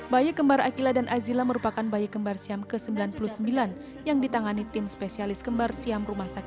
bayi kembar akila dan azila merupakan bayi kembar siam ke sembilan puluh sembilan yang ditangani tim spesialis kembar siam rumah sakit